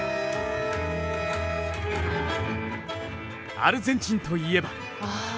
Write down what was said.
アルゼンチンといえば。